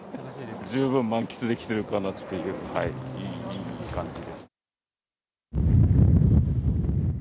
十分満喫できてるかなっていう、いい感じです。